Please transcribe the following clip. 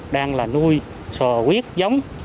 đang nuôi sò huyết giống